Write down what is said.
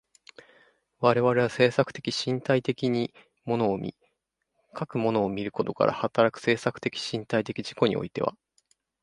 我々は制作的身体的に物を見、かく物を見ることから働く制作的身体的自己においては、